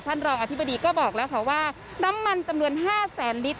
รองอธิบดีก็บอกแล้วค่ะว่าน้ำมันจำนวน๕แสนลิตร